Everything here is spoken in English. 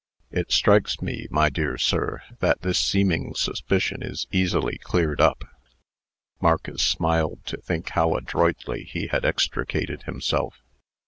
It strikes me, my dear sir, that this seeming suspicion is easily cleared up." Marcus smiled to think how adroitly he had extricated himself.